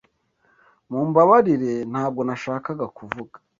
Mumbabarire, ntabwo nashakaga kuvuga.